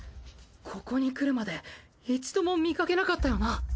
ここに来るまで一度も見かけなかったよな。